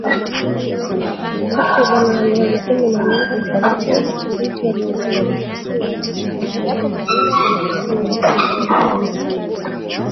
Takribani wahamiaji kumi na nne wamefariki wakati boti waliokua wanasafiria liliposhika moto katika jimbo la kusini la Senegal la Kasamance